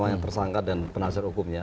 yang tersangkat dan penasaran hukumnya